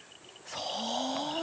そう。